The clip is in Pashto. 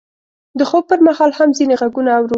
د خوب پر مهال هم ځینې غږونه اورو.